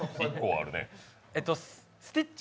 スティッチ。